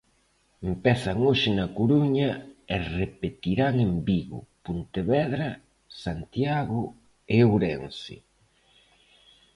Empezan hoxe na Coruña e repetirán en Vigo, Pontevedra, Santiago e Ourense.